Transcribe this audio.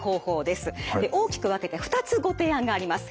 大きく分けて２つご提案があります。